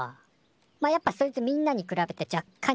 まあやっぱそいつみんなに比べてじゃっかん